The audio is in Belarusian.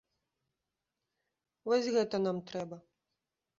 Вось гэта нам трэба.